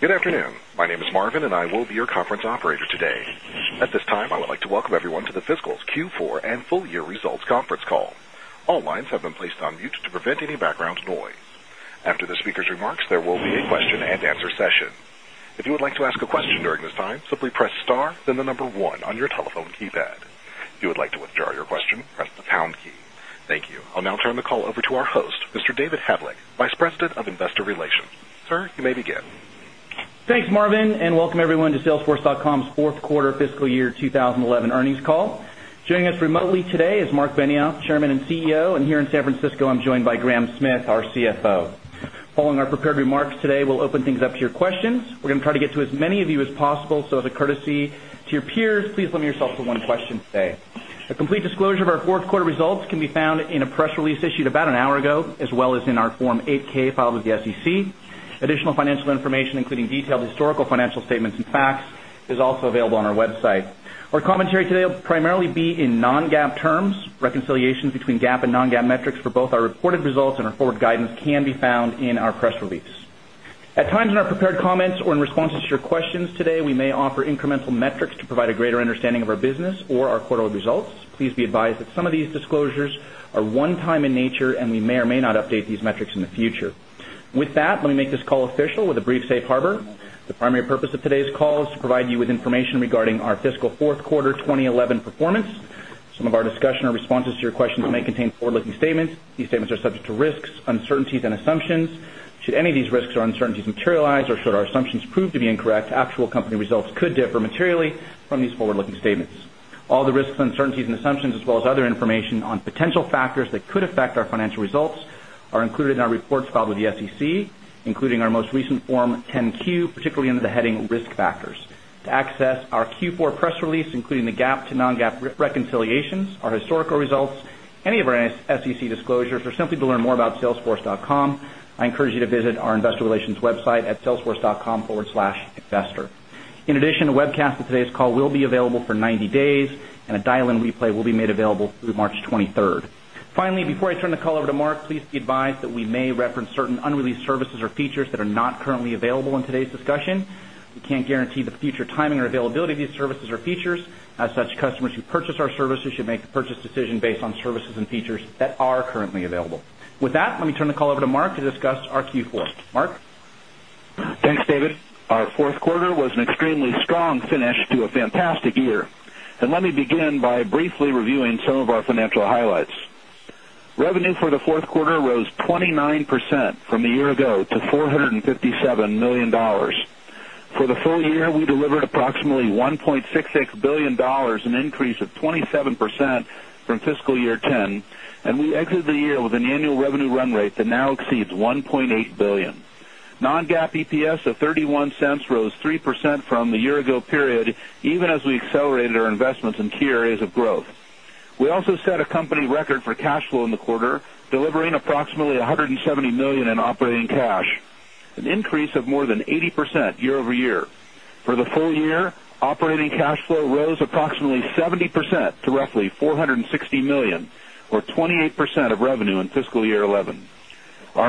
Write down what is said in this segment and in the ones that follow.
Good afternoon. My name is Marvin and I will be your conference operator today. At At this time, I would like to welcome everyone to the Fiscal's Q4 and Full Year Results Conference Call. Thank you. I'll now turn the call over to our host, Mr. David Heblich, Vice President of Investor Relations. Sir, you may begin. Thanks Marvin and welcome everyone to salesforce.com's 4th quarter fiscal year 2011 earnings call. Joining us remotely today is Mark Benioff, Chairman and CEO. Here in San Francisco, I'm joined by Graeme Smith, our CFO. Following our prepared remarks today, we'll open things up to your questions. We're going to try to get to as many of you as possible, so as a courtesy to your peers please limit yourself to one question today. A complete disclosure of our 4th quarter results can be found in release issued about an hour ago as well as in our Form 8 ks filed with the SEC. Additional financial information including detailed historical financial statements and facts is also available on our website. Our commentary today will primarily be in non GAAP terms. Reconciliations between GAAP and non GAAP metrics for both our reported results and our forward guidance can be found in our press release. At times in our prepared comments or in responses to your questions today, we may offer incremental metrics to provide a these metrics in the future. With that, let me make this call official with a brief safe harbor. The primary purpose of today's call is to provide you with information regarding our fiscal 4th quarter 2011 performance. Some of our discussion or responses to your questions may contain forward looking statements. These statements are subject to risks, uncertainties and assumptions. Should any of these risks uncertainties materialize or should our assumptions prove to be incorrect, actual company results could differ materially from these forward looking statements. All the risks, uncertainties and assumptions as well as other information on potential factors that could affect our financial results are included in our reports filed with the SEC, including our most recent Form 10 Q, particularly under the heading Risk Factors. To access our Q4 press release including the GAAP to non GAAP reconciliations, our historical results, any of our SEC disclosures or simply to learn more about salesforce.com, I encourage you to visit our Investor Relations website at salesforce.com/investor. In addition, a webcast of today's call will be available for 90 days and a dial in replay will be made available through March 23. Finally, before I turn the call over to Mark, please be advised that we may reference certain unreleased services or features that are not currently available in today's discussion. We can't guarantee the future timing or availability of these services or features as such customers who purchase our services should make the purchase decision based on services and features that are year. And let me begin by briefly reviewing some of our financial highlights. Revenue for the 4th quarter rose 29% from a year ago to $457,000,000 For the full year, we delivered approximately $1,660,000,000 an increase of 27% from fiscal year 'ten and we exited the year with an annual revenue run rate that now exceeds $1,800,000,000 Non GAAP EPS of $0.31 rose 3% from the year ago period even as we accelerated our investments in key areas of growth. We also set a company record for cash flow in the quarter delivering approximately $170,000,000 in operating cash, an increase of more than 80% year over year. For the full year, operating cash flow rose approximately 70% to roughly $460,000,000 or 28% of revenue in fiscal year 2011.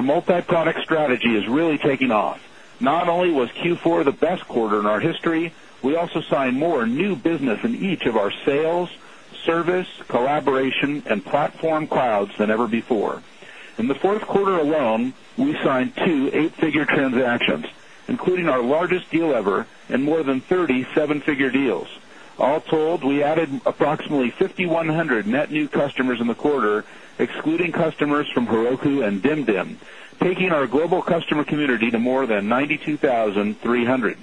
Multi product strategy is really taking off. Not only was Q4 the best quarter in our history, we also signed more new business in each of our sales, service, collaboration and platform clouds than ever before. In the Q4 alone, we signed 2 8 figure transactions including our largest deal ever and more than 37 figure deals. All told, we added approximately GrowCo and Dimdim taking our global customer community to more than 92 1,300.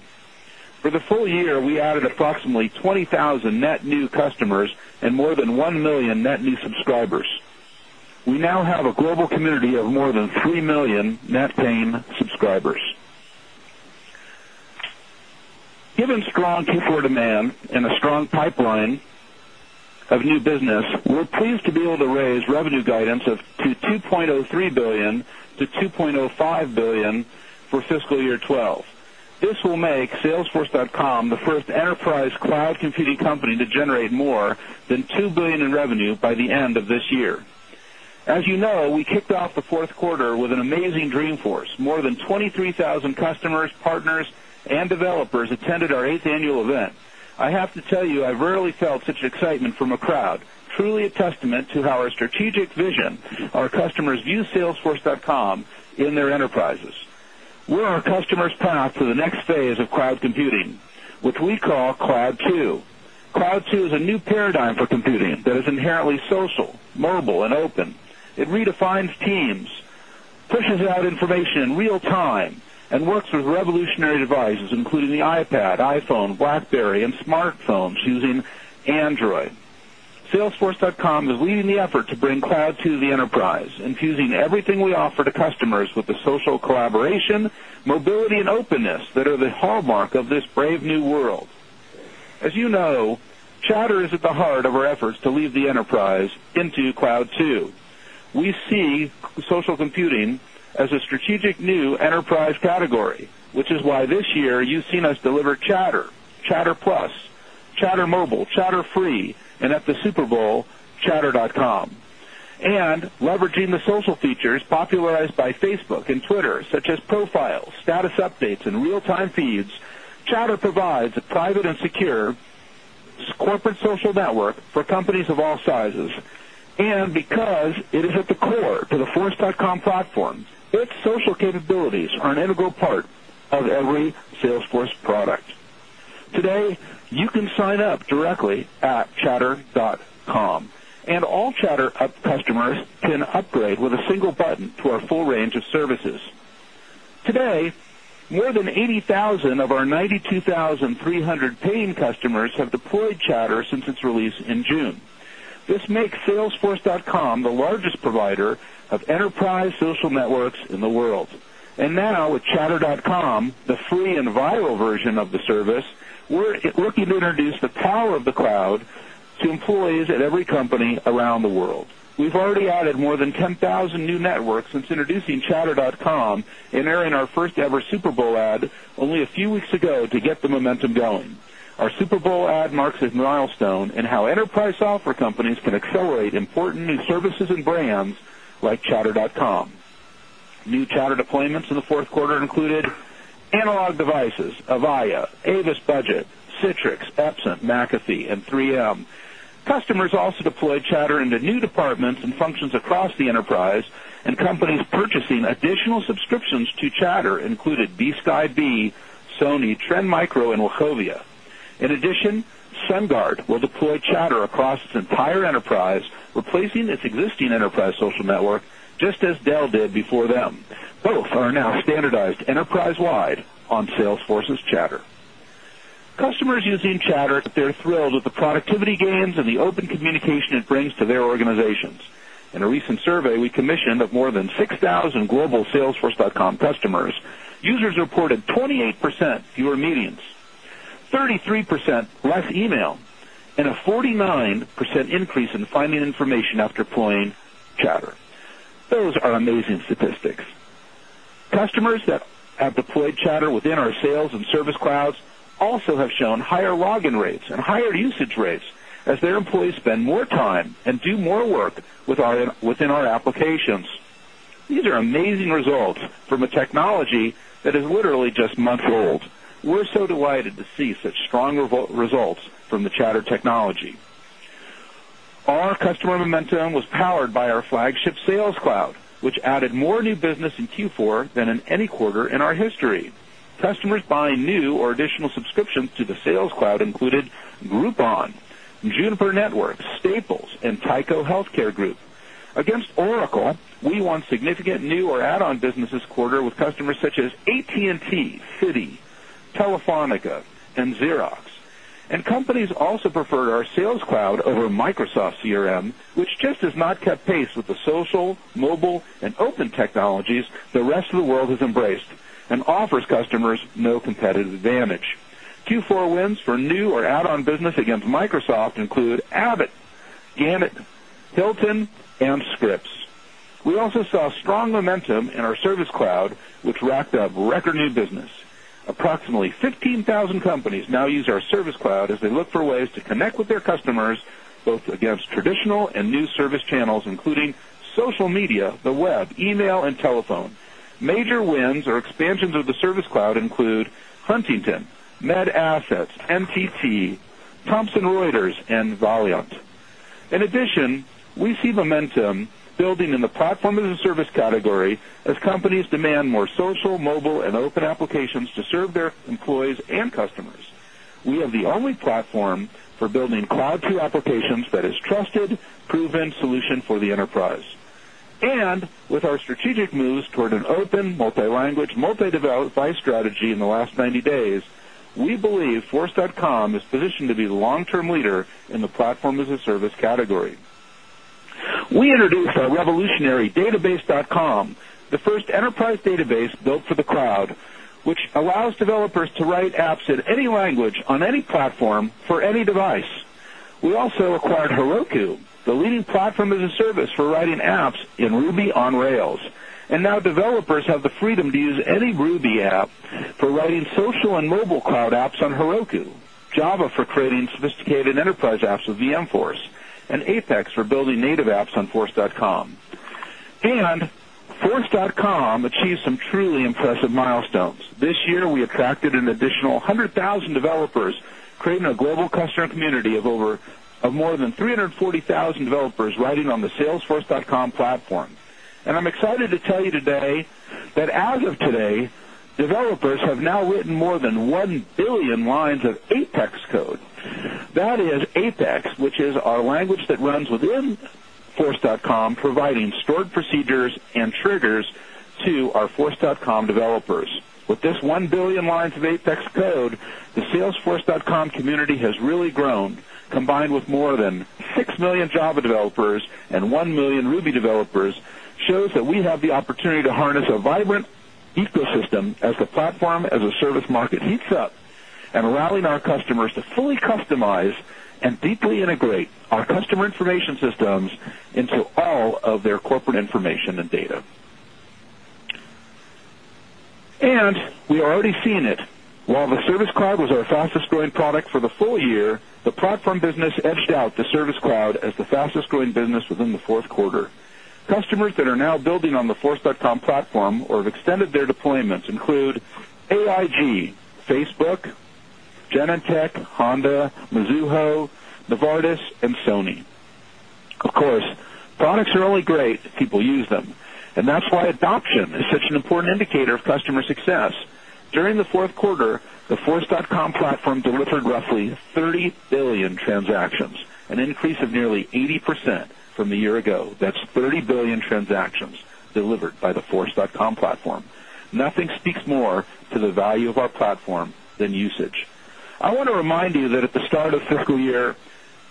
For the full year, we added approximately 20,000 net new customers and more than 1,000,000 net new subscribers. Paying subscribers. Given strong Q4 demand and a strong pipeline of new business, we're pleased to be able to raise revenue guidance of $2,030,000,000 to $2,050,000,000 for fiscal year 2012. This will make salesforce dot com the first enterprise cloud computing company to generate more than $2,000,000,000 in revenue by the end of this year. As you know, we kicked off the Q4 with an amazing dream force. More than 23,000 customers, partners and developers attended our 8th annual event. I have to tell you I rarely felt such excitement from a crowd, truly a testament to how our strategic vision our customers view salesforce.com in their enterprises. We're our customers path to the next phase of cloud computing, which we call Cloud 2. Cloud 2 is a new paradigm for computing that is inherently social, mobile and open. It redefines teams, pushes out information in real time and works with revolutionary devices including the iPad, iPhone, Blackberry and smartphones using Android. Salesforce.com is leading the effort to bring cloud to the enterprise infusing everything we offer to customers with the social collaboration, mobility and openness that are the hallmark of this new world. As you know, chatter is at the heart of our efforts to lead the enterprise into Cloud 2. We see social computing as a strategic new enterprise category, which is why this year you've seen us deliver Chatter, Chatter Plus, Chatter Mobile, Chatter Free and at the Super Bowl, Chatter dot com. And leveraging the social features popularized by Facebook and Twitter such as profiles, status updates and real time feeds, Chatter provides a private and secure corporate social network for companies of all sizes and because it is at the core to the force.com platform, its social capabilities are an integral part of every Salesforce product. Today, you can sign up directly at chatter.com and all ChatterUp customers can upgrade with a single button to our full range of services. Today, more than 80,000 of our 92,300 paying customers have deployed Chatter since its release in June. This makes salesforce.com the largest provider of enterprise social networks in the world. And now with chatter.com, the free and viral version of the service, we're looking to introduce the power of the cloud to employees at every company around the world. We've already added more than 10,000 new networks since introducing chatter.com and airing first ever Super Bowl ad only a few weeks ago to get the momentum going. Our Super Bowl ad marks a milestone in how enterprise software companies can accelerate important new services and brands like chatter.com. New chatter deployments in the 4th quarter included analog devices, Avaya, Avis Budget, Citrix, Epson, McAfee and 3 ms. Customers also deployed chatter into new departments and functions across the enterprise and companies purchasing additional subscriptions to Chatter included network just as Dell did before them. Both are now standardized enterprise wide on Salesforce's Chatter. Customers using Chatter they're thrilled with the productivity gains and the open communication it brings to their organizations. In a recent survey, we commissioned that more than 6000 global sales salesforce.com customers, users reported 28% fewer meetings, 33% less email and a 49% 9% increase in finding information after deploying Chatter. Those are amazing statistics. Customers that have deployed Chatter within our sales and service clouds also have shown higher login rates and higher usage rates as their employees spend more time and do more work within our applications. These are amazing results from a technology that is literally just months old. We're so delighted to see such strong results from the Chatter quarter in our history. Customers buying new or additional subscriptions to the Sales Cloud included Groupon, Juniper Networks, Staples and Xerox. And companies also preferred our sales cloud over Microsoft CRM which just has not kept pace with the social, mobile and open technologies the rest of the world has embraced and offers customers no competitive advantage. Q4 wins for new or add on business against Microsoft include Abbott, Gamut, Hilton and Scripps. We also saw strong momentum in our service cloud, which racked up record new business. Approximately 15,000 companies now use our service cloud as they look for ways to connect with their customers both against traditional and new service channels including social media, the web, email and telephone. Major wins or expansions of the service cloud include Huntington, MedAssets, MTT, Thomson Reuters and Voliant. In addition, we see momentum building in the the platform for building cloud to applications that is trusted, proven solution for the enterprise. And with our strategic moves toward an open multi language, multi device strategy in the last 90 days, we believe force.com is positioned to be the long term leader in the platform as a service category. We introduced our revolutionary database.com, the first enterprise database built for the cloud, which allows developers to write apps in any language on any platform for any device. We also acquired Heroku, the leading platform as a service for writing apps in Ruby on Rails. And now developers have the freedom to use any Ruby app for writing social and mobile cloud apps on Heroku, Java for creating sophisticated enterprise apps with VMforce and Apex for building native apps on force.com. And force.com achieved some truly impressive milestones. This year we attracted an additional 100,000 developers creating a global customer community of more than 340,000 developers writing on the salesforce.com platform. And I'm excited to tell you today that as of today, developers have now written more than 1,000,000,000 lines of Apex code. That is Apex, which is our language that runs within force.com providing stored procedures and triggers to our force.com developers. With this 1,000,000,000 lines of Apex Apex fully customize and deeply integrate our customer information systems into all of their corporate information and data. And we are already seeing it. While the Service Cloud was our fastest growing product for the full year, the platform business edged out the Service Cloud as the fastest growing business within the Q4. Customers that are now building on the force.com platform or have extended their deployments include AIG, Facebook, Genentech, Honda, Mizuho, Novartis and Sony. Of course, products are only great if people use them and that's why adoption is such such an important indicator of customer success. During the Q4, the force.com platform delivered roughly 30,000,000,000 transactions, an increase of nearly 80% from a year ago. That's 30,000,000,000 transactions delivered by the force. Com platform. Nothing speaks more to the value of our platform than usage. I want to remind you that at the start of fiscal year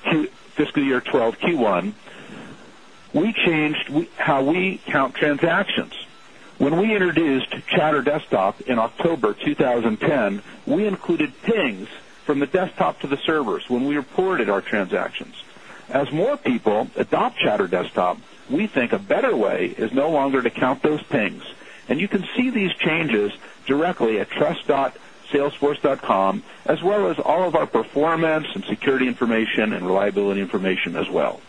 2012Q1, we changed how we count transactions. When we introduced Chatter Desktop in October Chatter Desktop in October 2010, we included pings from the desktop to the servers when we reported our transactions. As more people adopt Chatter Desktop, we think a better way is no longer to count those pings. And you can see these changes directly attrust.salesforce.com as well as all of our performance and security information and reliability information as well.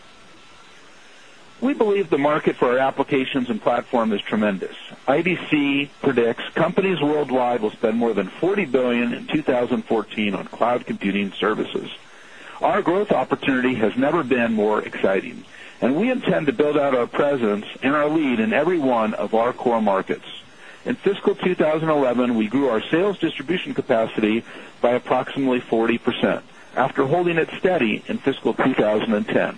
We believe the the computing services. Our growth opportunity has never been more exciting and we intend to build out our presence and our lead in every one of our core markets. In fiscal 2011, we grew our sales distribution capacity by approximately 40% after holding it steady in fiscal 2010.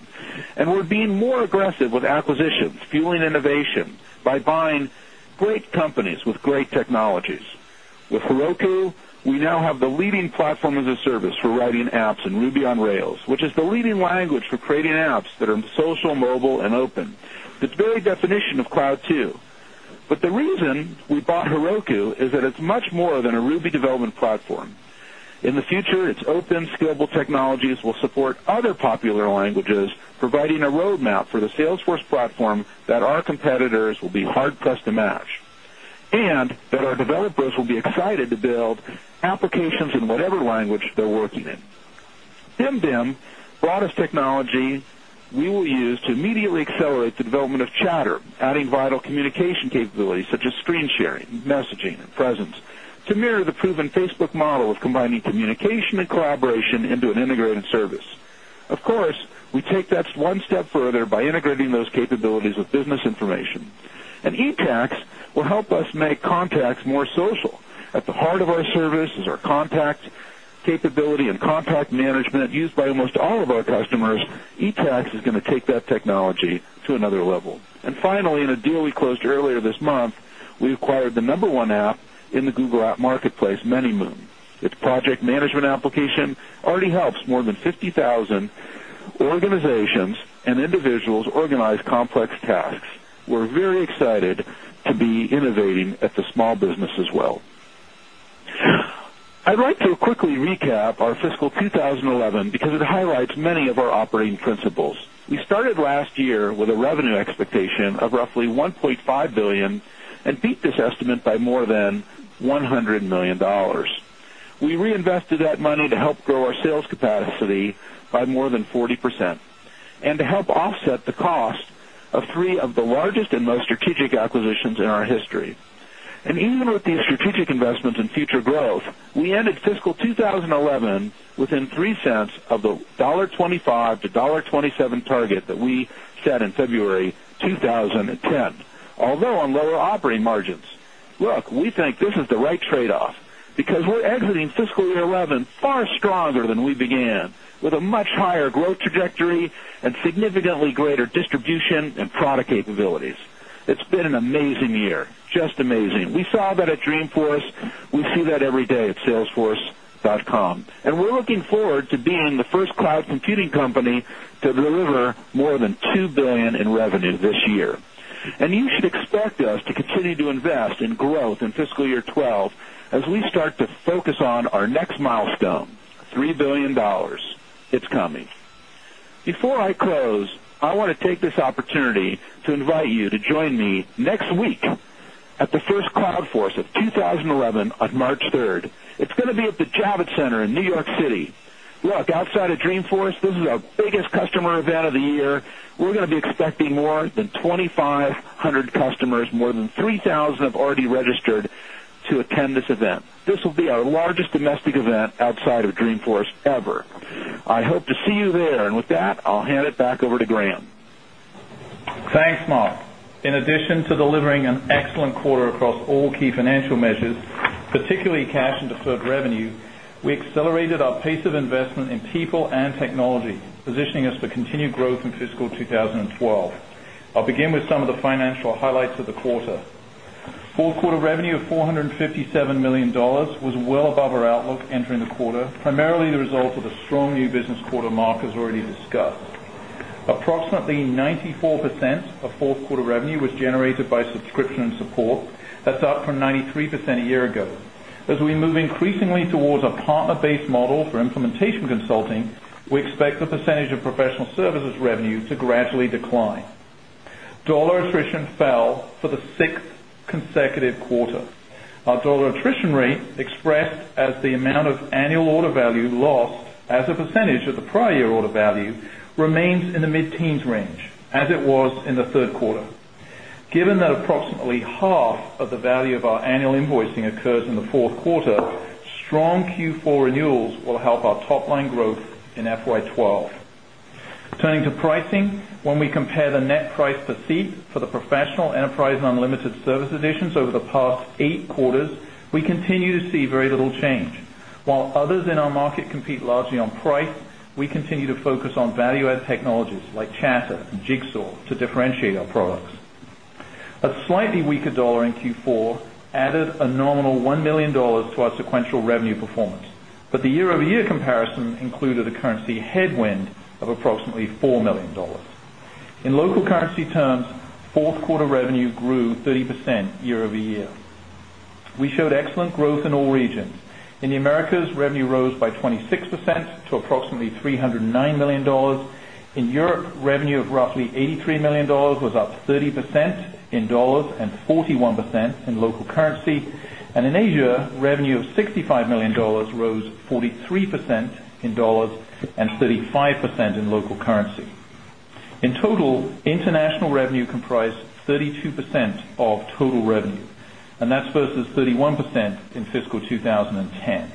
And we're being more aggressive with acquisitions, fueling innovation by buying great companies with great technologies. With Heroku, we now have the leading platform as a service for writing apps in Ruby on Rails, which is the leading language for creating apps that are in social, mobile and open. It's very very that it's much more than a Ruby development platform. In the future, its open scalable technologies will support other popular languages providing a roadmap for the sales force platform that our competitors will be hard pressed to match and that our developers will be excited to build applications in whatever language they're working in. BIM BIM brought us technology we will use to immediately accelerate the development of chatter adding vital communication capabilities such as screen sharing, messaging and presence to mirror the proven Facebook model of combining communication and collaboration into an integrated service. Of course, we take that one step further by integrating those capabilities with business information. And e tax will help us make contacts more social. At the heart of our service is our contact capability and contact management used by almost all of our customers, e tax is going to take that technology to another level. Finally, in a deal we closed earlier this month, we acquired the number one app in the Google app marketplace, Manymoon. Its project management application already helps more than 50,000 organizations and individuals organize complex tasks. We're very excited to be innovating at the small business as well. I'd like to quickly recap our fiscal 2011 because it highlights many of our operating principles. We started last year with a revenue expectation of roughly $1,500,000,000 and beat this estimate by more than $100,000,000 We reinvested that money to help grow our sales capacity by more than 40% and to help offset the cost of 3 of the largest and most strategic acquisitions in our history. And even with these strategic investments in future growth, we ended fiscal 2011 within 0 point $5 to $1.27 target that we set in February 2010, although on lower operating margins. Look, we think this is the right trade off because we're exiting fiscal year 2011 far stronger than we began with a much higher growth trajectory and significantly greater distribution and product capabilities. It's been an amazing year, just amazing. We saw that at Dreamforce. We see that every day salesforce.com. And we're looking forward to being the 1st cloud computing company to deliver more than 2 $1,000,000,000 in revenue this year. And you should expect us to continue to invest in growth in fiscal year 2012 as we start to focus on our next milestone, dollars 3,000,000,000 it's coming. Before I close, I want to take this opportunity to join me next week at the 1st Cloud Force of 2011 on March 3rd. It's going to be at the Javits Center in New York City. Look, outside of Dreamforce, this is our biggest customer event of the year. We're going to be expecting more than 2,500 customers, more than 3,000 have already registered to attend this event. This will be our largest domestic event outside of Dreamforce ever. I hope to see you there. And with that, I'll hand it back particularly cash and deferred revenue, we accelerated our pace of investment in people and technology, positioning us for continued growth in fiscal 2012. I'll begin with some of the financial highlights of the quarter. 4th quarter revenue of $457,000,000 was well above our outlook entering quarter, primarily the result of the strong new business quarter Mark has already discussed. Approximately 94% of 4th quarter revenue was generated by subscription support, that's up from 93% a year ago. As we move increasingly towards a partner based model for implementation consulting, we expect the percentage of professional service revenue to gradually decline. Dollar attrition fell for the 6th consecutive quarter. Our dollar attrition rate expressed as the amount of annual order value lost as a percentage of the prior year order value remains in the mid teens range as it was in the Q3. Given that approximately half of the value of our annual invoicing occurs in the 4th quarter, strong Q4 renewals will help our top line growth in FY 'twelve. Turning to pricing, when we compare the net price per seat for the professional enterprise and unlimited service additions over the past 8 quarters, we continue to see very little change. While others in our market compete largely on price, we continue to focus on value add technologies like chatter and jigsaw to differentiate our products. A slightly weaker dollar in Q4 added a nominal $1,000,000 to our sequential revenue performance, but the year over year comparison included a currency headwind of approximately $4,000,000 In local currency terms, 4th quarter revenue grew 30% year over year. We showed excellent growth in all regions. In the Americas, revenue rose by 26% to approximately $309,000,000 In Europe, revenue of roughly $83,000,000 was up 30% in dollars and 41% in local currency. And in Asia, revenue of $65,000,000 rose 43 percent in dollars and 35% in local currency. In total, international revenue comprised 32% of total revenue and that's versus 31% in fiscal 2010.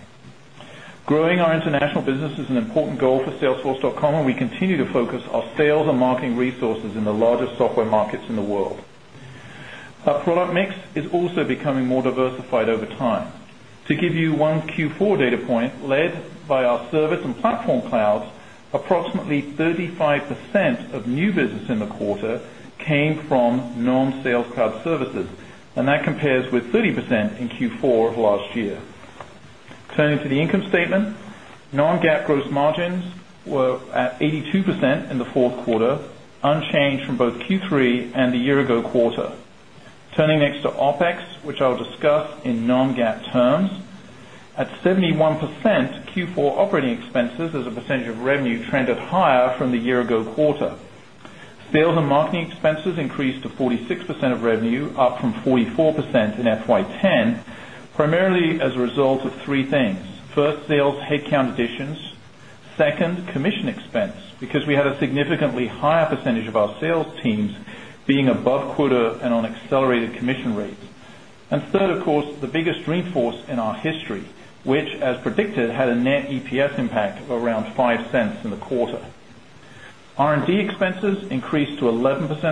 Growing our international business is an important goal for salesforce.com and we continue to focus our sales and marketing resources in the largest software markets in the world. Our product mix is also becoming more diversified over time. To give you one Q4 data point, led by our service and platform clouds, approximately 35 percent of new business in the quarter came from non sales cloud services and that compares with 30% in Q4 of last year. Turning to income statement, non GAAP gross margins were at 82% in the 4th quarter, unchanged from both Q3 and the year ago quarter. Turning next to OpEx, which I'll discuss in non GAAP terms. At 71%, Q4 operating expenses as a percentage of revenue trended higher from the year ago quarter. Sales and marketing expenses increased to 46% of revenue, up from 44% in FY 'ten, primarily as a result of 3 things. 1st, sales headcount additions 2nd, commission expense because we had a significantly higher percentage of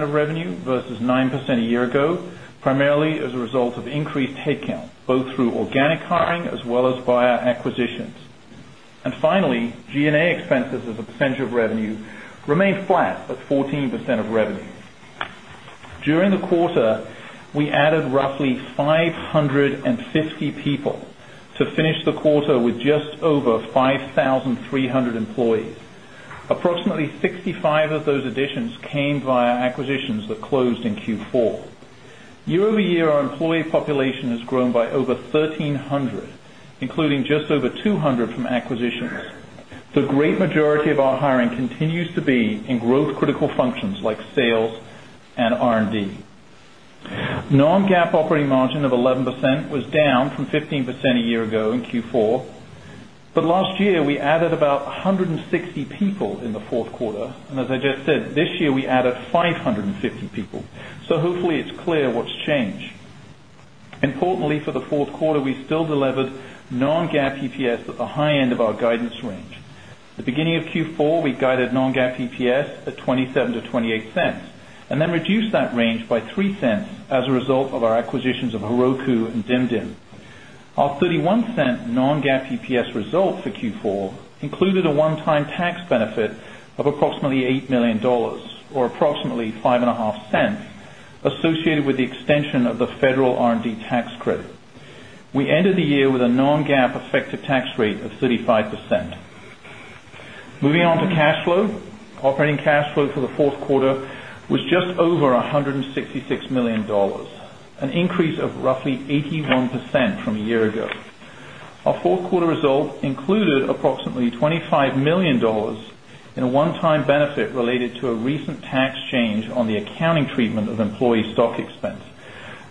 revenue versus 9% a year ago, primarily as a result of increased headcount, both through organic hiring as well as via acquisitions. And finally, G and A expenses as a percentage of revenue remained flat at 14% of revenue. During the quarter, we added roughly 550 people to finish the quarter with just over 5,000 1,300 employees. Approximately 65 of those additions came via acquisitions that closed in Q4. Acquisitions. The great majority of our hiring continues to be in growth critical functions like sales and R and D. Non GAAP operating margin of 11% was down from 15% a year ago in Q4. But last year, we added about 160 people in the Q4. And as I just said, this year we added 550 people. So hopefully, it's clear what's changed. Importantly, for the Q4, we still delivered non GAAP EPS at the high end of our guidance range. At the beginning of Q4, we guided non GAAP EPS at $0.27 to 0 point 2 $8 and then reduced that range by 0.03 as a result of our acquisitions of Heroku and Dimdim. Our 0 point 3 $1 non GAAP EPS result for Q4 included a one time tax benefit of approximately $8,000,000 or approximately $0.055 associated with the extension of the federal R and D tax credit. We ended the year with a non GAAP effective tax rate of 35%. Moving on to cash flow. Operating cash flow for the Q4 was just over $166,000,000 an increase of roughly 81% from a year ago. Our 4th quarter results included approximately $25,000,000 in a one time benefit related to a recent tax change on the accounting treatment of employee stock expense.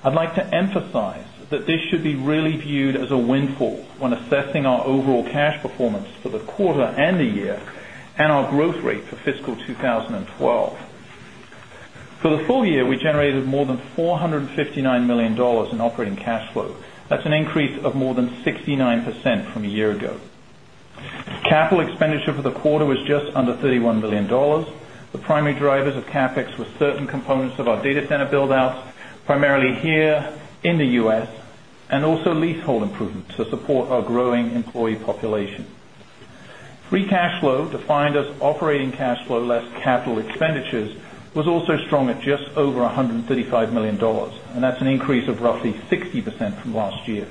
I'd like to emphasize that this should be really viewed as a windfall when assessing 2012. For the full year, we generated more than $459,000,000 in operating cash flow. That's an increase of more than 69% from a year ago. Capital expenditure for the quarter was just under $31,000,000 The primary drivers of CapEx were certain components of our data center build outs, primarily here in the U. S. And also leasehold improvements to support our growing employee population. Free cash flow defined as operating cash flow less capital expenditures was just over $368,000,000 an increase of 70% from last year.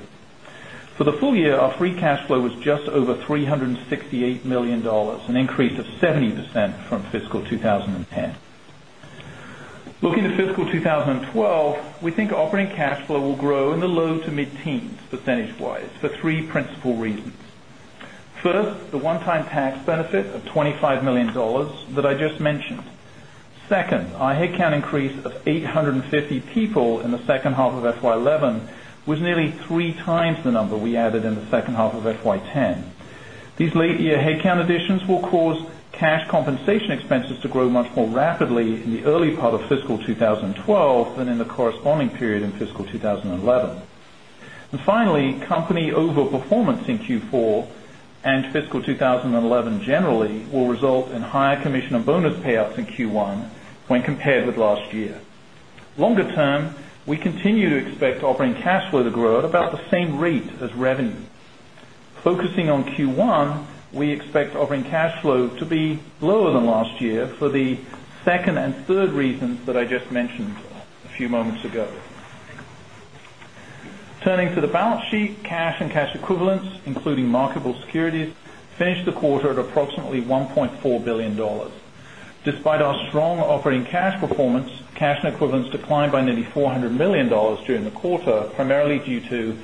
For the full year, our free cash flow was just over $368,000,000 an increase of 70% from fiscal 2010. Looking to fiscal 2012, we think operating cash flow will grow in the low to mid teens percentage wise for 3 principal reasons. First, the one time tax benefit of $25,000,000 that I just mentioned. 2nd, our headcount increase of 850 people in the second half of FY 'eleven was nearly 3 times the number we added in the second half of FY 'ten. These late year headcount additions will cause result in higher commission and bonus payouts in Q1 when compared with last year. Longer term, we continue to expect operating cash flow to grow at about the same rate as revenue. Focusing on Q1, we expect operating cash flow to be lower than last year for the second and third reasons that I just mentioned a few moments ago. Turning to the balance sheet, cash and cash equivalents, including marketable securities, finished the quarter at approximately $1,400,000,000 Despite our strong operating cash performance, cash and equivalents declined by nearly $400,000,000 during the quarter, primarily due to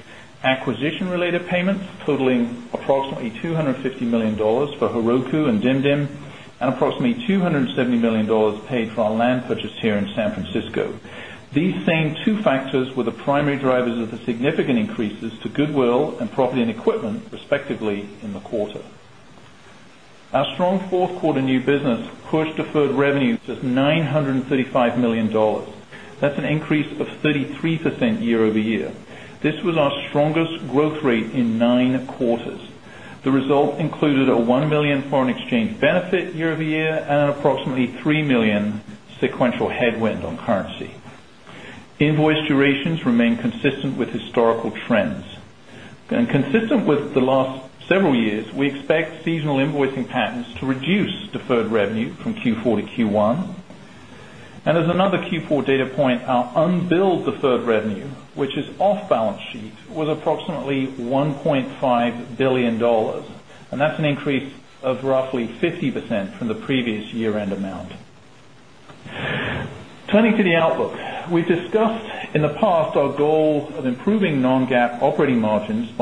acquisition related payments totaling approximately $250,000,000 for Heroku and Dimdim and approximately $270,000,000 paid for our land purchase here in San Francisco. These same two factors were the primary drivers of the significant increases to goodwill and property and equipment respectively in the quarter. Our strong 4th quarter new business pushed deferred revenue to $935,000,000 That's an increase of 33% year over year. This was our strongest growth rate in 9 quarters. The result included a $1,000,000 foreign exchange benefit year over year and approximately $3,000,000 sequential headwind on currency. Invoice durations remain consistent with historical trends. And consistent with the last several years, we expect seasonal invoicing patterns to reduce deferred revenue from Q4 to Q1. And as another Q4 data point, our unbilled deferred revenue, which is off balance sheet, was approximately $1,500,000,000 and that's an increase of roughly 50% from the previous year end amount. Turning to the outlook. We discussed in the past our goal of improving non GAAP operating margins in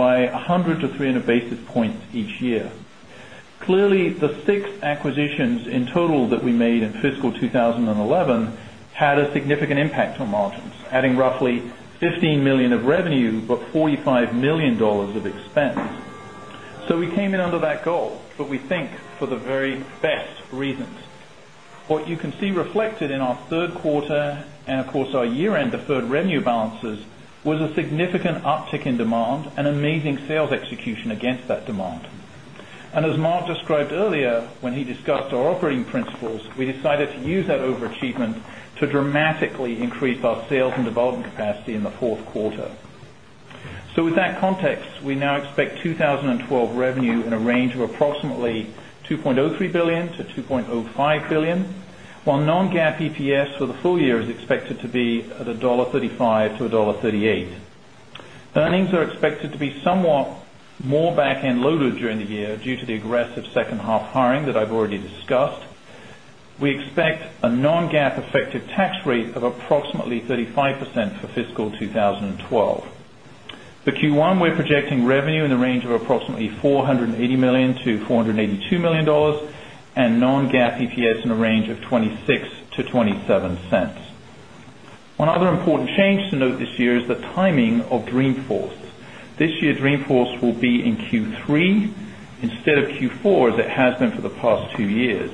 fiscal 2011 had a significant impact on margins, adding roughly $15,000,000 of revenue, but $45,000,000 of expense. So we came in under that goal, but we think for the very best reasons. What you can see reflected in our Q3 and of course our year end deferred revenue balances was a significant uptick in demand and amazing sales execution against that demand. And as Mark described earlier, when he discussed our operating principles, we decided to use that over achievement to dramatically increase our sales and development capacity in the Q4. So with that context, we now expect 20.12 revenue in a range of approximately 2,030,000,000 dollars to 2,050,000,000 while non GAAP EPS for the full year is expected to be at 1 $0.35 to 1 $0.38 Earnings are expected to be somewhat more back end loaded during the year due to the aggressive second half hiring that I've already discussed. We expect a non GAAP effective tax rate of approximately 35% for fiscal 2012. For Q1, we're projecting revenue in the range of approximately $480,000,000 to $482,000,000 and non GAAP EPS in the range of $0.26 to 0 point $2.7 One other important change to note this year is the timing of Dreamforce. This year Dreamforce will be in Q3 instead of Q4 as it has been for the past 2 years.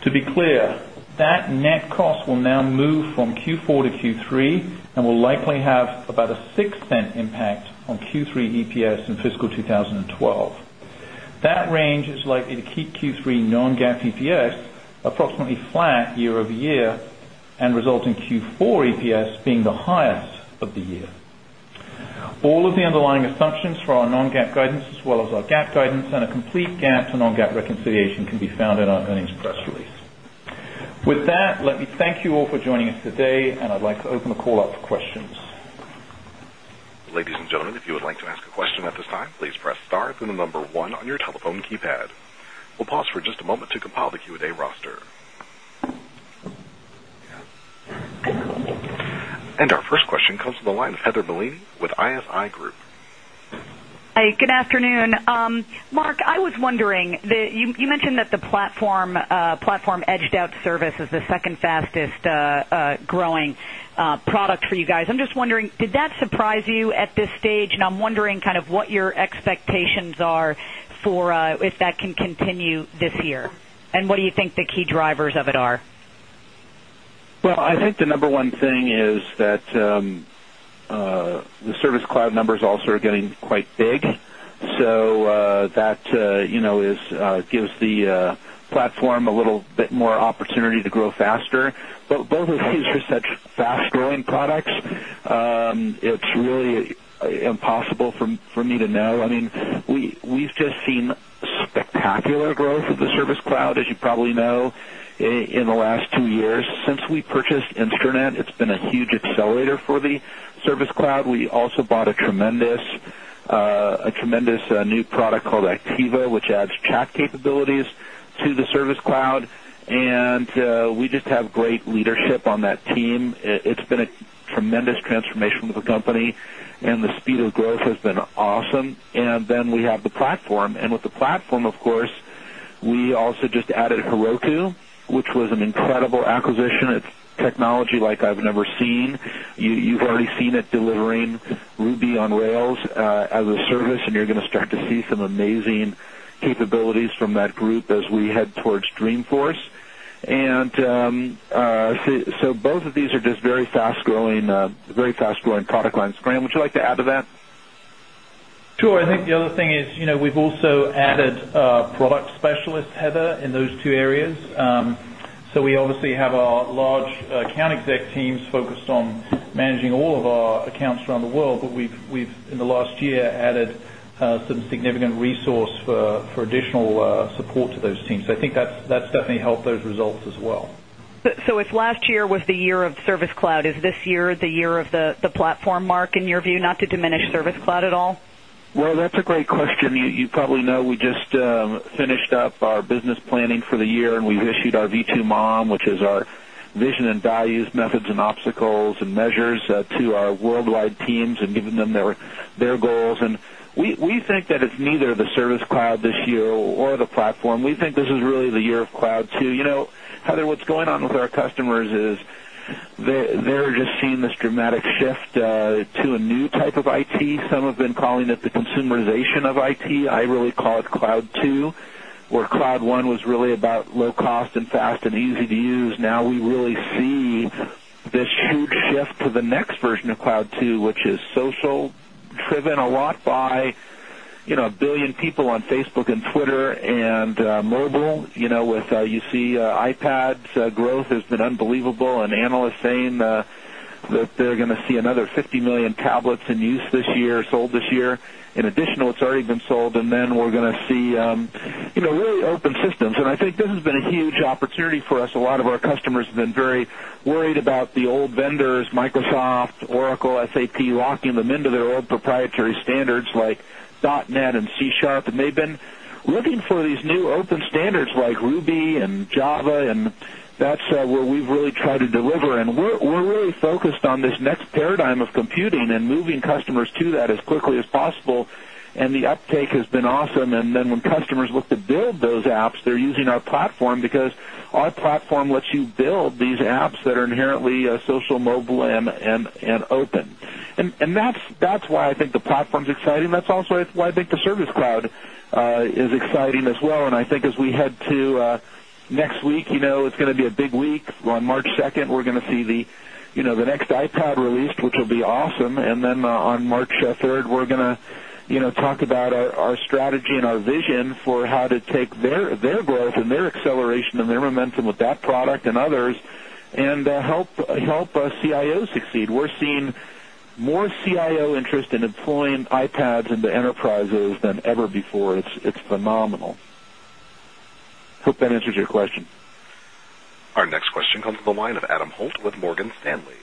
To be clear, that net cost will now move from Q4 to Q3 and will likely have about a0 over year and result in Q4 EPS being the highest of the year. All of the underlying assumptions for our non GAAP guidance as well as our GAAP guidance and a complete GAAP to non GAAP reconciliation can be found in our earnings press release. With that, let me thank you all for joining us today, and I'd like to open the call up for questions. And our first question comes from the line of Heather Bellini with ISI Group. Hi, good afternoon. Mark, I was wondering that you mentioned that the platform, platform edged out service is the 2nd fastest growing product for you guys. I'm just wondering, did that surprise you at this stage? And I'm wondering kind of what your expectations are for if that can continue this year? And what do you think the key drivers of it are? Well, I think the number one thing is that the service cloud number also are getting quite big. So that gives the platform a little bit more opportunity to grow faster. But both of these are such fast growing products. It's really impossible for me to know. I mean, we've just seen spectacular growth of the Service Cloud as you probably know in the last 2 years. Since we purchased Instranet, it's been a huge accelerator for the Service Cloud. We also bought a tremendous new product called Activa which adds chat capabilities to the Service Cloud. And we just have great leadership on that team. It's been a tremendous transformation with the company and the speed of growth has been awesome. And then we have the platform and with the platform of course we also just added Heroku which was an incredible acquisition. It's technology like I've never seen. You've already seen it delivering Ruby on rails as a service and you're going to start to see some amazing capabilities from that group as we head towards Dreamforce. And so both of these are just very fast product lines. Graham, would you like to add to that? Sure. I think the other thing is we've also added product specialists, Heather, in those two areas. So we obviously have a large account exec teams focused on managing all of our accounts around the world. But we've in the last year added some significant resource for additional support to those teams. So I think that's definitely helped those results as well. So if last year was the year of Service Cloud, is this year the year of the platform, Mark, in your view, not to diminish Service Cloud at all? Well, that's a great question. You probably know we just finished up our business planning for the year and we've issued our V2 MOM, which is our vision and values, methods and obstacles and measures to our worldwide teams and giving them their goals. And we think that it's neither the service cloud this year or the platform. We think this is really the year of cloud too. Heather, what's going on with our customers is they're just seeing this dramatic shift to a new type of IT. Some have been calling it the consumerization of IT. I really call it Cloud 2 or Cloud 1 was really about low cost and fast and easy to use. Now we really see this huge shift to the next version of Cloud 2 which is social driven a lot by a 1000000000 people on Facebook and Twitter and mobile with you see iPad's growth has been unbelievable and analysts saying that they're going to see another 50,000,000 tablets in use this year, sold this year. In addition, it's already been sold and then we're going to see really open systems. And I think this has been a huge opportunity for us. A lot of our customers have been very worried about the old vendors, Microsoft, Oracle, SAP locking them into their old proprietary standards like dotnet and C Sharp and they've been looking for these new open standards like Ruby and Java and that's where we've really tried to deliver and we're really focused on this next paradigm of computing and moving customers to that as quickly as possible and the uptake has been awesome. And then when customers look to build those apps, they're using our platform because our platform lets you build these apps that are inherently social mobile and open. And that's why I think the platform is exciting. That's also why I think the Service Cloud is exciting as well. I think as we head to next week, it's going to be a big week. On March 2nd, we're going to see the next iPad released which will be awesome. And then on March 3, we're going to talk about our strategy and our vision for how to take their growth and their acceleration and their momentum with that product and others and help CIO succeed. We're seeing more CIO interest in employing Ipads into enterprises than ever before. It's phenomenal. Hope that answers your question. Our next question comes from the line of Adam Holt with Morgan Stanley.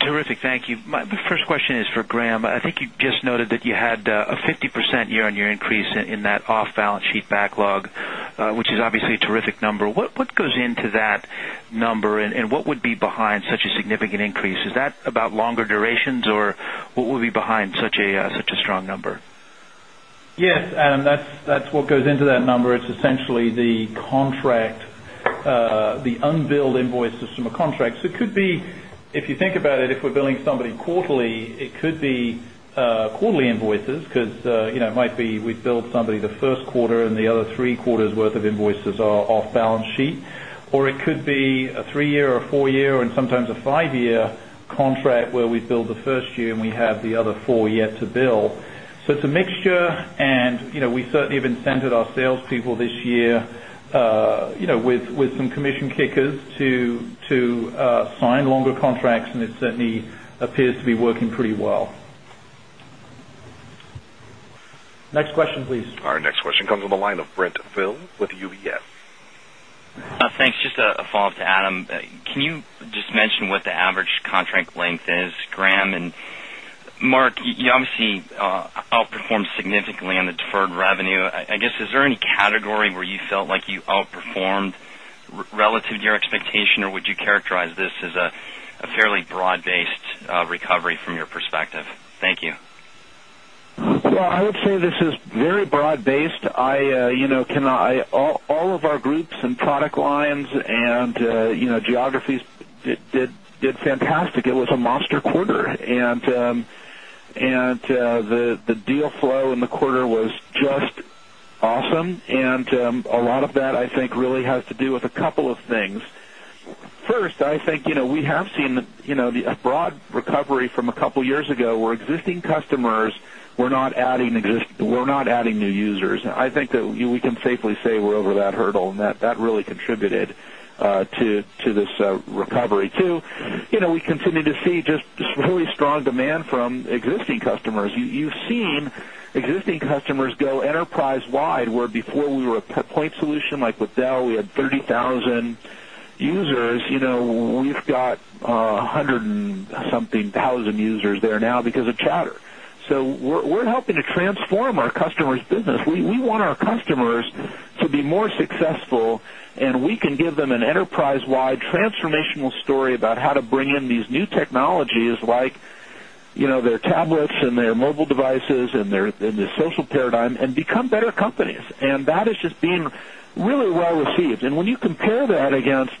Terrific, thank you. My first question is for Graham. I think you just noted that you had a 50% year on year increase in that off balance sheet backlog, which is obviously a terrific number. What goes into that number? And what would be behind such a significant increase? Is that about longer durations? Or what will be behind such a strong number? Yes, Adam. That's what goes into that number. It's essentially the contract, the unbilled invoices from a contract. If you think about it, if we're billing somebody quarterly, it could be quarterly invoices because it might be we've billed somebody the Q1 and the other 3 quarters worth of invoices are off balance sheet or it could be a 3 year or 4 year and sometimes a 5 year contract where we build the 1st year and we have the other 4 yet to build. So, it's a mixture. And we certainly have incented our salespeople this year with some commission kickers to sign longer contracts and it certainly appears to be working pretty well. Next question please. Our next question comes from the line of Brent Thill with UBS. Thanks. Just a follow-up to Adam. Can you just mention what the average contract length is, Graham? And Mark, you obviously significantly on the deferred revenue. I guess, is there any category where you felt like you outperformed relative to your expectation? This is very broad based. All of our groups and product lines and geographies did fantastic. It was a monster quarter. And the deal flow in the quarter was just awesome. And a lot of that I think really has to do with a couple of things. First, I think we have seen a broad recovery from a couple of years ago where existing customers were not adding new users. I think that we can safely say we're over that hurdle and that really contributed to this recovery too. We continue to see just really strong demand from existing customers. You've seen existing customers go enterprise point solution like with Dell, we had 30,000 users. We've got 100 and something 1000 users there now because of Chatter. So we're helping to transform our customers' business. We want our customers to be more successful and we can give them an enterprise wide transformational story about how to bring in these new technologies like their tablets and their mobile devices and their paradigm and become better companies. And that has just been really well received. And when you compare that against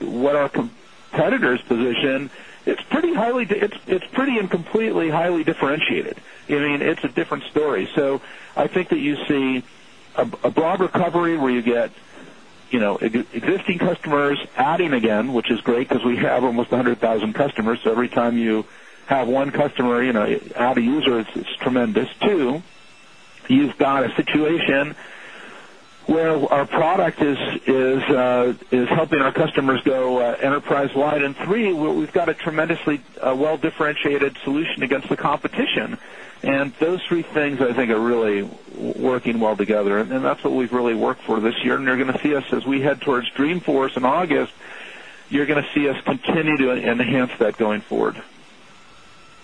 what our competitors position, it's pretty and completely highly differentiated. It's a different story. So I think that see a broad recovery where you get existing customers adding again, which is great because we have almost 100,000 customers. So every time you have one customer, add a user, it's tremendous too. You've got a situation where our product is helping our customers go enterprise wide. And 3, we've got a tremendously well differentiated solution against the competition. And those three things I think are really working well together. And what we've really worked for this year. And you're going to see us as we head towards Dreamforce in August, you're going to see us continue to enhance that going forward.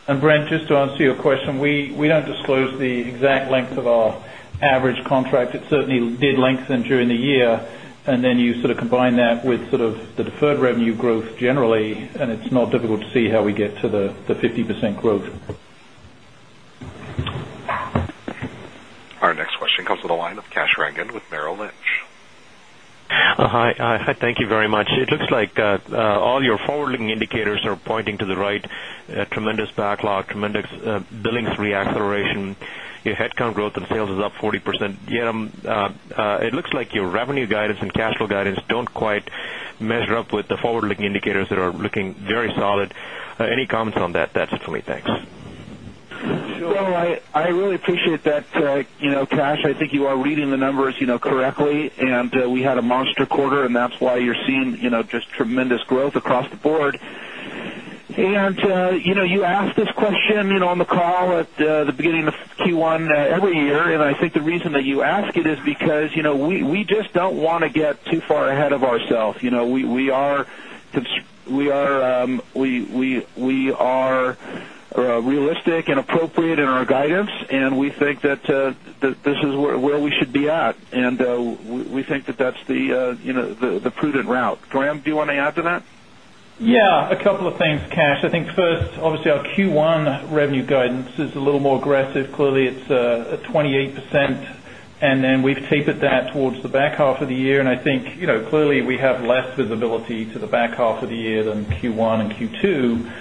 And Brent, just to answer your question, we don't disclose the exact length of our average contract. It certainly did link during the year. And then, you sort of combine that with sort of the deferred revenue growth generally and it's not difficult to see how we get to the 50% growth. Our next question comes from the line of Kash Rangan with Merrill Lynch. Hi. Thank you very much. It looks like all your forward looking indicators are pointing to the right, tremendous backlog, tremendous billings reacceleration, your head count growth and sales is up 40%. It looks like your revenue guidance and cash flow guidance don't quite measure up with forward looking indicators that are looking very solid. Any comments on that? That's it for me. Thanks. Well, I really appreciate that Kash. I think you are reading the numbers correctly and we had a monster quarter and that's why you're seeing just tremendous growth across the board. And you asked this question on the call at the beginning of Q1 every year and I think the reason that you ask it is because we just don't want to get too far ahead of ourselves. We are realistic and appropriate in our guidance and we think that this is where we should be at. And we think that that's the prudent route. Graham, do you want to add to that? Yes. A couple of things, Kash. I think first, obviously our Q1 revenue guidance is a little more aggressive. Clearly, it's 28%. And then we've tapered that towards the back half of the year. And I think clearly we have less visibility to the back half of the year than Q1 and Q2.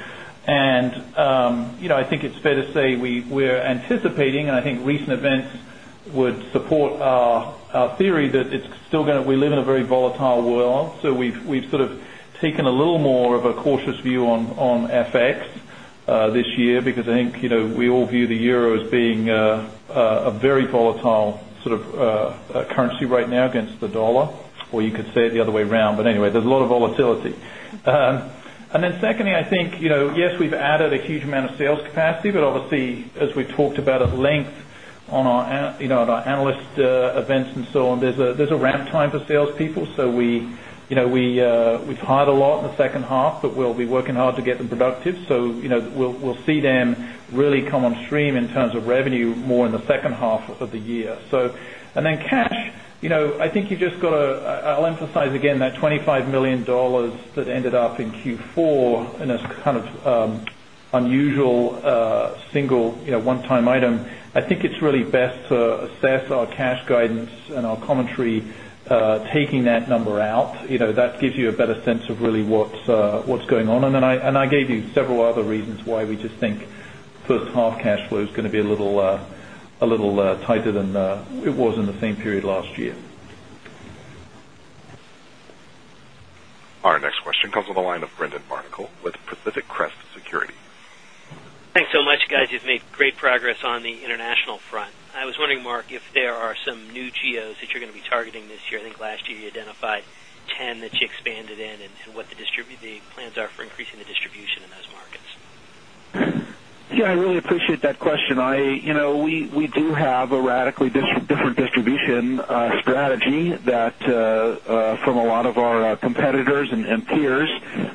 And I think it's fair to say we're anticipating and I think recent events would support our theory that it's still going to we live in a very volatile world. So we've taken a little more of a cautious view on FX this year because I think we all view the euro as being a very volatile currency right now against the dollar or you could say it the other way around. But anyway, there's a lot of volatility. And then secondly, I think, yes, we've added a huge amount of sales capacity, but obviously, as we've talked about at length on our analyst events and so on, there's a ramp time for salespeople. So we've hired a lot in the second half, but we'll be working hard to get them productive. So we'll see them really come on stream in terms of revenue more in the second half of the year. And then cash, I think you just got to I'll emphasize again that $25,000,000 that ended up in Q4 and that's kind of unusual single one time item. I think it's really best to assess our cash guidance and our commentary taking that number out. That gives you a better sense of really what's going on. And then I gave you several other reasons why we just think first half cash flow is going to be a little tighter than it was in the same period last year. Our next question comes from the line of Brendon Barnickel with Pacific Crest Security. Thanks so much guys. You've made great progress on the international front. I was wondering Mark, if there are some new geos that you're going to be targeting this year. I think last year you identified 10 that you expanded in and what the plans are for increasing the distribution in those markets? Yes, I really appreciate that question. We do have a radically different distribution strategy that from a lot of our competitors and peers.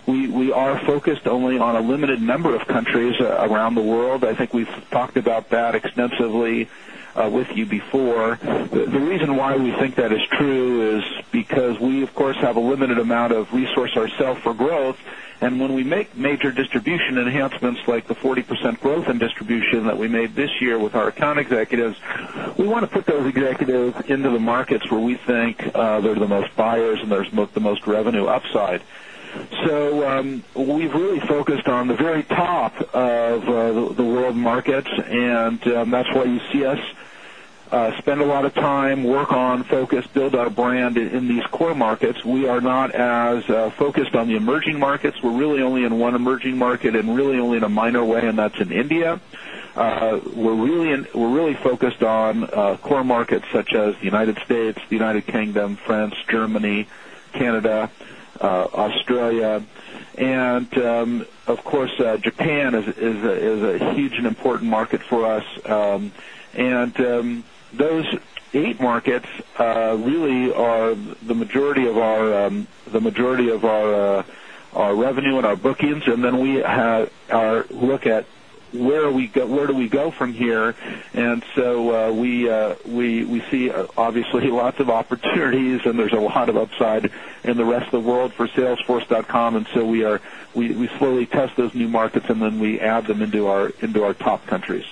We are focused only on a limited number of countries around the world. I think we've talked about that extensively with you before. The reason why we think that is true is because we course have a limited amount of resource ourselves for growth. And when we make major distribution enhancements like the 40% growth in distribution that we made this year with our account executives, we want to put those executives into the markets where we think they're the most buyers and there's the most revenue upside. So we've really focused on the very top of the world markets and that's why you see us spend a lot of time, work on focus, build our brand in these core markets. We are not as focused on the emerging markets. We're really only in one emerging market and really only in a minor way and that's in India. We're really focused on core markets such as the United States, the United Kingdom, France, Germany, Canada, Australia. And of course Japan is a huge and important market for us. And those eight markets really are the majority of our revenue and our bookings and then we look at we go where do we go from here. And so we see obviously lots of opportunities and there's a lot of upside in the rest of the world for salesforce.com and so we are we slowly test those new markets and then we add them into our top countries.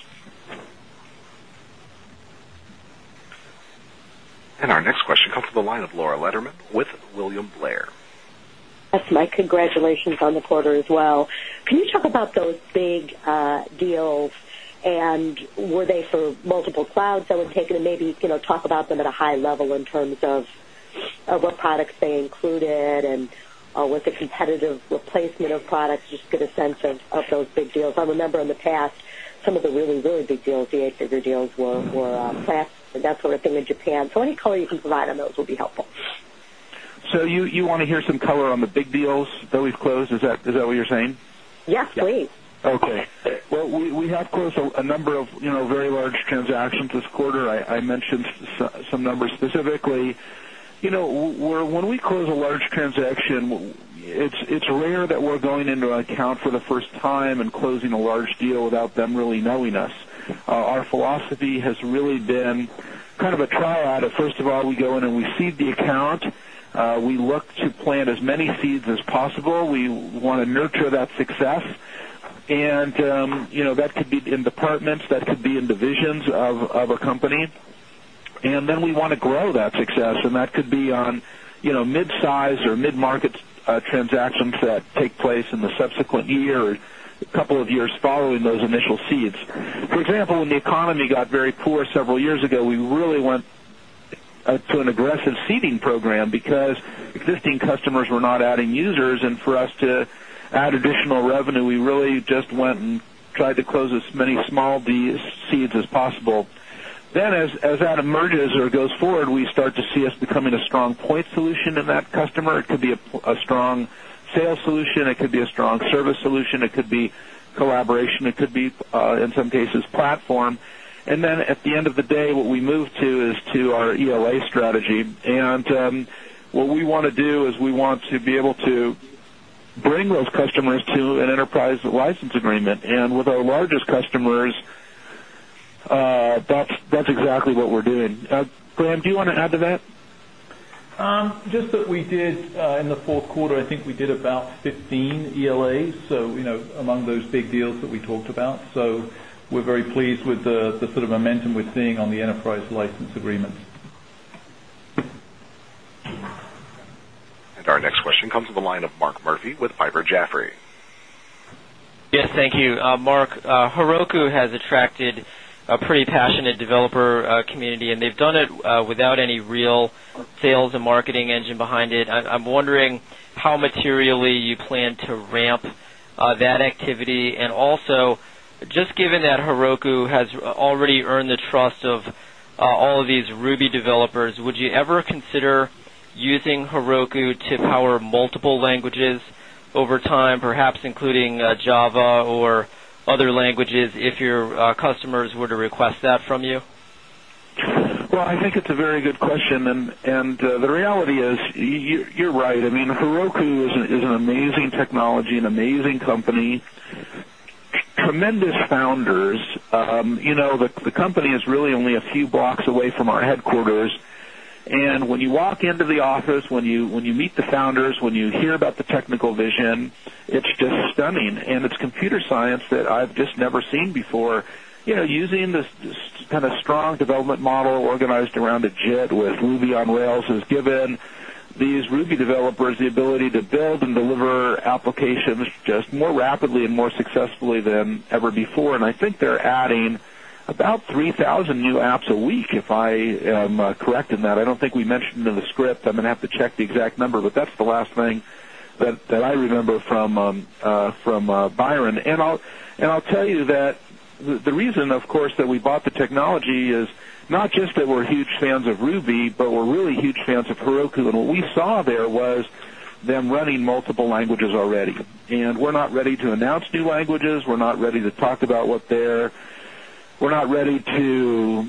Our next question comes from the line of Laura Letterman with William Blair. Yes, my congratulations on the quarter as well. Can you talk about those big deals? And were they for multiple clouds that was taken and maybe talk about them at a high level in terms of what products they included and what the competitive replacement of products just to get a sense of those big deals. I remember in the past some of the really, really big deals, the 8 figure deals were class and that sort of thing in Japan. So any color you can provide on those will be helpful. So you want to hear some color on the big deals that we've closed, is that what you're saying? Yes, please. Okay. Well, we have closed a number of very large transactions this quarter. I mentioned some numbers specifically. When we close a large transaction, it's rare that we're going into account for the first time and closing a large deal without them knowing us. Our philosophy has really been kind of a trial add. First of all, we go in and we seed the account. We look to plant as many seeds as possible. We want to nurture that success and that could be in divisions of a company and then we want to grow that success and that could be on midsize or mid market transactions that take place in the subsequent year or a couple of years following those initial seeds. For example, when the economy got very poor several years ago, we really went to an aggressive seeding program because existing customers were not adding users and for us to add additional revenue we really just went and tried to close as many small seeds as possible. Then as that emerges or goes forward we start to see us becoming a strong point solution in that customer. It could be a strong sales solution, it could be a strong service solution, it could be collaboration, it could be in some to want to do is we want to be able to bring those customers to an enterprise license agreement and with our largest customers that's exactly what we're doing. Graham, do you want to add to that? Just that we did in the Q4, I think we did about 15 ELAs, so among those big deals that we talked about. So we're very pleased with the sort of momentum we're seeing on the enterprise license agreements. And our And our next question comes from the line of Mark Murphy with Piper Jaffray. Yes, thank you. Mark, Heroku has attracted a pretty passionate developer community and they've done it without any real sales and marketing engine behind it. I'm wondering how materially you plan to ramp that activity? And also just given that Heroku has already earned the trust of all of these Ruby developers, would you ever consider Heroku is an amazing technology, an amazing company, tremendous founders. The company is really only a few blocks away from our headquarters and when you walk into the office, when you meet the founders, when you hear about the technical vision, it's just stunning. And it's computer science that I've just never seen before. Using this kind of strong development model organized around a jet with Ruby on rails has given these Ruby developers the ability to build and deliver applications just more rapidly and more successfully than ever before. And I think they're adding about 3,000 new apps a week if I am correct in that. I don't think we mentioned in the script. I'm going to have to check the exact number, but that's the last thing that I remember from Byron. And I'll tell you that the reason of course that we bought the technology is not just that we're huge fans of Ruby, but we're really huge fans of Heroku and what we saw there was them running multiple languages already. And we're not ready to announce new languages. We're not ready to talk about what they're we're not ready to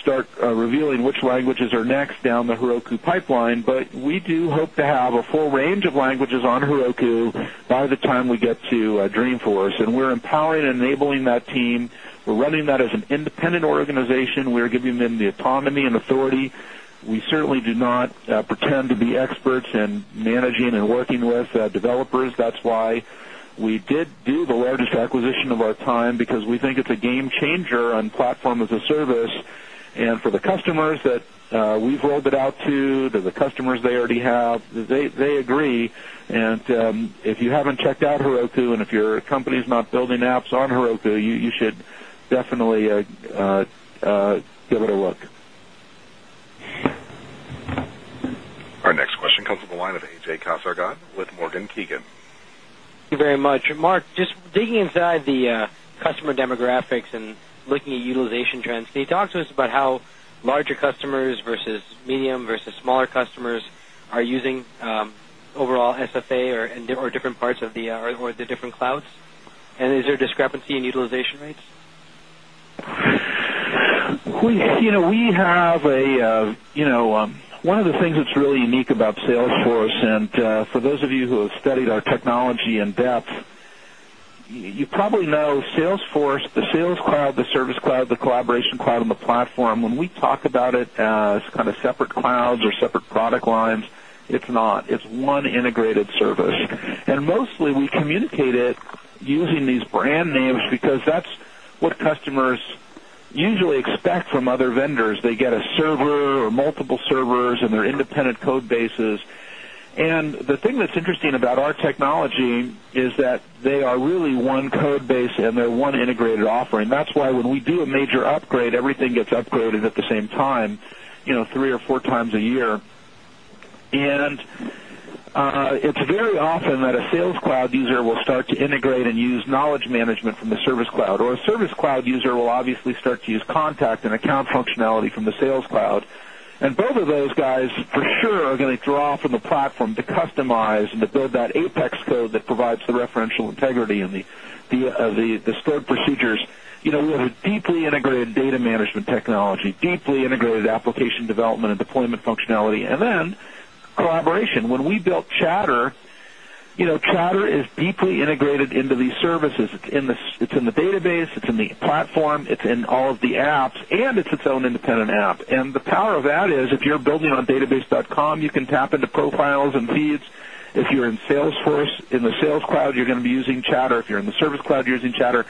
start revealing which languages are next down the Heroku pipeline, but we do hope to have a full range of languages on Heroku by the time we get to Dreamforce and we're empowering and enabling that team. We're running that as an independent organization. Are giving them the autonomy and authority. We certainly do not pretend to be experts in managing and working with developers. That's why we did the largest acquisition of our time because we think it's a game changer on platform as a service and for the customers that we've rolled it out to, the customers they already have, they agree. And if you haven't checked out Heroku and if your company is not building apps on Heroku, you should definitely give it a look. Our next question comes from the line of A. J. Kazar got with Morgan Kiegan. Thank you very much. Mark, just digging inside the customer demographics and looking at utilization trends, can you talk to us about how larger customers versus medium versus smaller customers are using overall SFA or different parts of the or the different clouds? And is there a discrepancy in utilization rates? We have one of the things that's really unique about Salesforce and for those of you who have studied our technology in depth, you probably know Salesforce, the Sales Cloud, the Service Cloud, the Collaboration Cloud and the platform, when we talk about it as kind of separate clouds or separate product lines, it's not. It's one integrated service. And mostly we communicate it using these brand names because that's what customers usually expect from other vendors. They get a server or multiple servers and they're independent code bases. And the thing that's interesting about our technology is that they are really one code base and they're one integrated offering. That's why when we do a major upgrade, everything gets upgraded at the same time, 3 or 4 times a year. It's very often that a Sales Cloud user will start to integrate and use knowledge management from the Service Cloud or a Service Cloud user will obviously start to use contact and account functionality from the Sales Cloud. And both of those guys for sure are going to draw from the platform to customize and to build that Apex code that provides the referential integrity and the stored procedures. We have a deeply integrated data management technology, deeply integrated application development and deployment functionality and then collaboration. When we built Chatter, Chatter is deeply integrated into these services. It's in the database, it's in the platform, it's in all of the apps and it's its own independent app. The power of that is if you're building on database .com, you can tap into profiles and feeds. If you're in Salesforce, in the sales cloud, you're going to be using Chatter. If you're in the service cloud, you're using Chatter.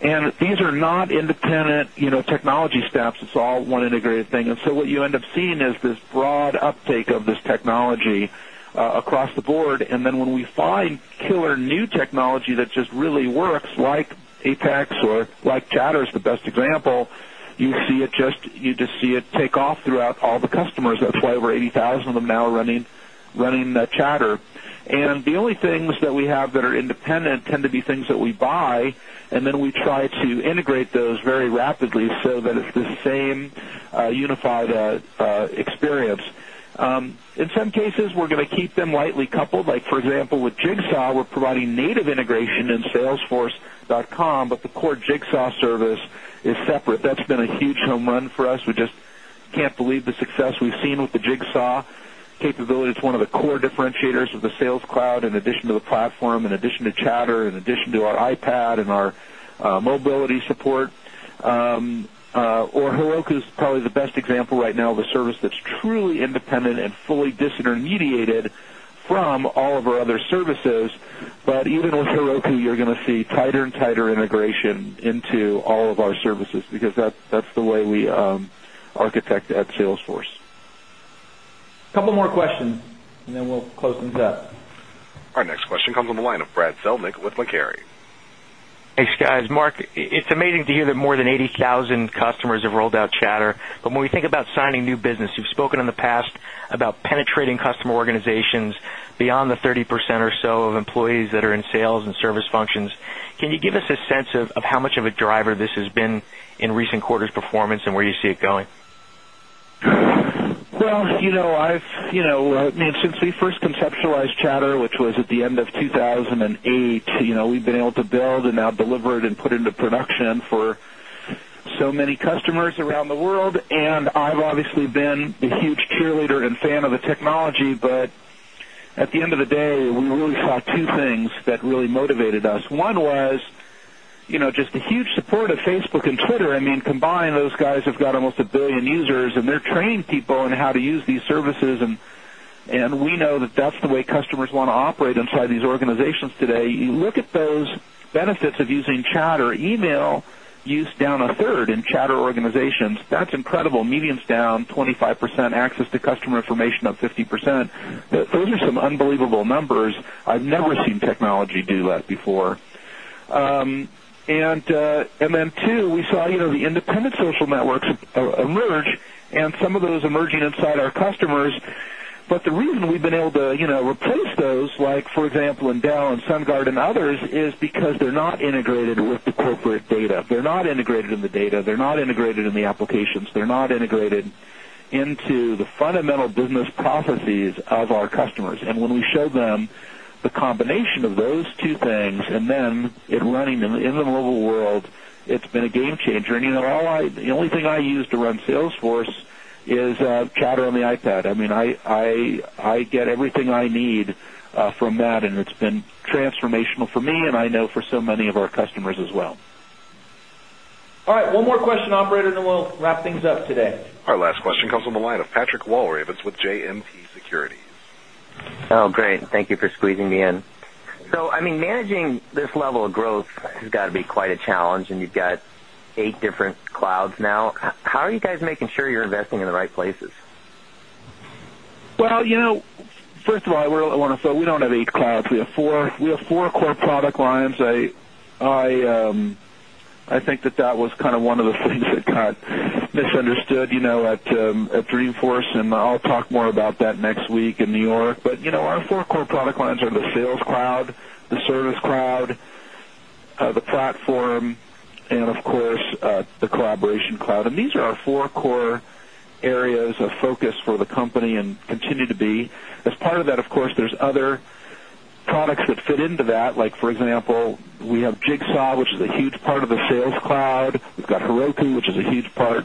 These are not independent technology steps. It's all one integrated thing. So what you end up seeing is this broad uptake of this technology across the board. And then when we find killer new technology that just really works like Apex or like Jatter is the best example, you just see it take off throughout all the customers. That's why over 80,000 of them now running Chatter. The only things that we have that are independent tend to be things that we buy and then we try to integrate those very rapidly so that it's the same unified experience. In some cases, we're going to keep them lightly coupled like for example with Jigsaw, we're providing native integration in salesforce.com, but the core Jigsaw service is separate. That's been a huge home run for us. We just can't believe the success we've seen with the Jigsaw capability. It's one of the core differentiators of the sales cloud in addition to the platform, in addition to chatter, in addition to our I mobility support, or HelloCa is probably the best example right now of a service that's truly independent and fully from all of our other services, but even with Heroku you're going to see tighter and tighter integration into all of our services, because that's the way we architect at Salesforce. Couple more questions and then we'll close things up. Our next question them signing new business, you've spoken in the past about penetrating customer organizations beyond the 30% or so of employees that are in sales and service functions. Can you give us a sense of how much of a driver this has been in recent quarters performance and where you see it going? Well, since we first conceptualized chatter which was at the end of 2,008, we've been able to build and now deliver it and put into production for so many customers around the world and I've obviously been a huge cheerleader and fan of the technology, but at the end of the day we really saw 2 things that really motivated us. One was just the huge support of Facebook and Twitter. I mean combined those guys have got almost a 1000000000 chatter, email use down a third in chatter organizations, that's incredible. Medium is down 25%, access to customer information up 50%. Those are some unbelievable numbers. I've never seen technology do that before. And then 2, we saw the independent social networks emerge and some of those emerging inside our customers, but the reason we've been able to replace those like for example in Dell and SunGard and others is because they're not integrated with the corporate data. They're not integrated in the data. They're not integrated in the applications. They're not integrated fundamental business processes of our customers. And when we show them the combination of those two things and then in running them in the mobile world, it's been a game changer. The only thing I use to run Salesforce is chatter on the iPad. I mean, I get everything I need from that and it's been transformational for me and I know for so many of our customers as well. All right. One more question, operator, and then we'll wrap things up today. Our last question comes from the line of Patrick Walrabez with JMP Securities. Great. Thank you for squeezing me in. So I mean managing this level of growth has got to be quite a challenge and you've got 8 different clouds now. How are you guys making sure you're investing in the right places? Well, first of all, I want to say we don't have 8 clouds. We have 4 core product lines. I think that was kind of one of the things that got misunderstood at Dreamforce and I'll talk more about that next week in New York. But our 4 core product lines are the sales cloud, the service cloud, the platform and of course the collaboration cloud. And these are 4 core areas of focus for the company and continue to be. As part of that of course there's other products that fit in that, like for example, we have Jigsaw, which is a huge part of the sales cloud. We've got Heroku, which is a huge part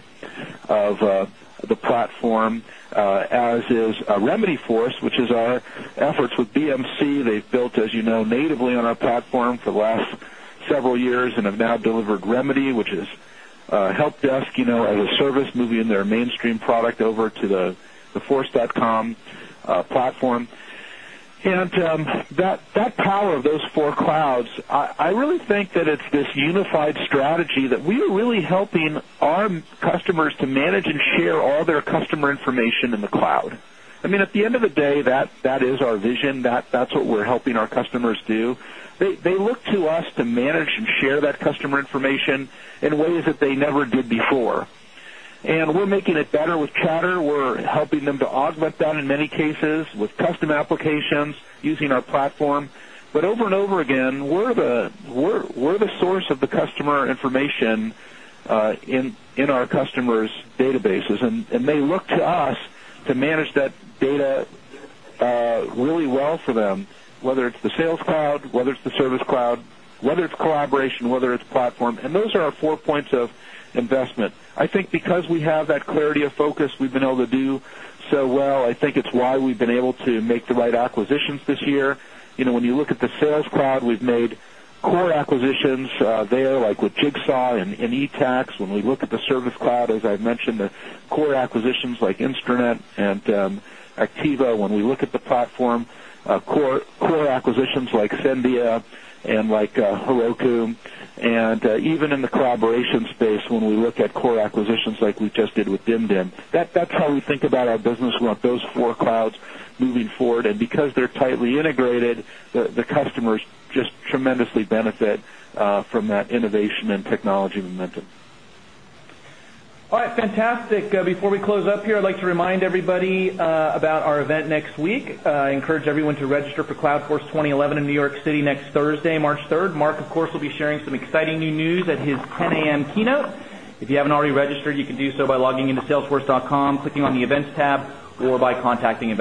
of the platform as is Remedyforce which is our efforts with BMC. They've built as you know natively on our platform for the last platform. That power of those 4 clouds, I really think that it's this unified strategy that we are really helping our customers to manage and share all their customer information in the cloud. I mean at the end of the day, that is our vision. That's what we're helping our customers do. They look to us to manage and share that customer information in ways that they never did before. And we're making it better with chatter. We're helping them to augment that in many cases with custom applications using our platform. But over and over again, we're the source of the customer information in our customers' databases and they look to us to manage that data really well for them, whether it's the sales cloud, whether it's the service cloud, whether it's collaboration, whether it's platform and those are our four points of investment. I think because we have that clarity of focus, we've been able to do so well. I think it's why we've been able to make right acquisitions this year. When you look at the sales cloud, we've made core acquisitions there like with Jigsaw and e tax. When we look at the service Cloud as I've mentioned, the core acquisitions like Instranet and Activa when we look at the platform, core acquisitions like Senvia and like Heroku and even in the collaboration space when we look at core acquisitions like we just did with Dimdim, That's how we think about our business. We want those 4 clouds moving forward and because they're tightly integrated, the customers just remind everybody about our event next week. I encourage everyone to register for CloudCourse 2011 in New York City next Thursday, March 3rd. Mark of course will be sharing some exciting new news at his 10 am keynote. If you haven't already registered, you can do so by logging into salesforce.com, clicking on the Events tab or by contacting